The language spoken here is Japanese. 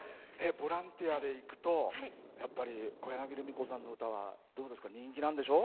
ボランティアで行くと、やっぱり小柳ルミ子さんの歌は人気なんでしょう？